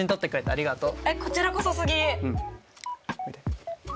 ありがとう